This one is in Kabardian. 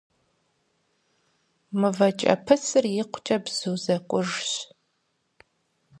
МывэкӀэпысыр икъукӀэ бзу зэкӀужщ.